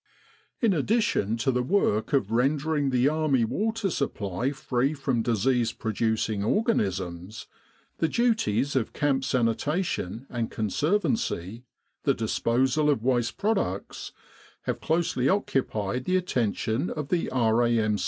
In addition to the work of rendering the Army water supply free from disease producing organisms, the duties of camp sanitation and conservancy the disposal of waste products have closely occupied the attention of the R.A.M.